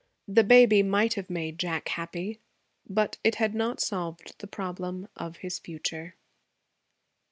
The baby might have made Jack happy, but it had not solved the problem of his future.